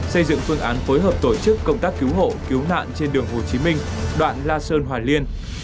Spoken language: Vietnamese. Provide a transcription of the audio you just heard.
xây dựng phương án phối hợp tổ chức công tác cứu hộ cứu nạn trên đường hồ chí minh đoạn la sơn hòa liên